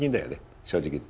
正直言って。